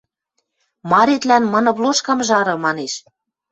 – Маретлӓн мыны плошкам жары! – манеш.